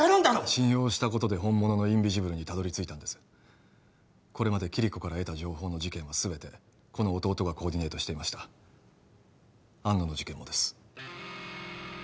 信用したことで本物のインビジブルにたどり着いたんですこれまでキリコから得た情報の事件は全てこの弟がコーディネートしていました安野の事件もです